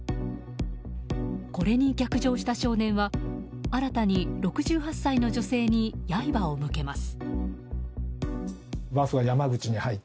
これに逆上した少年は新たに６８歳の女性に刃を向けます。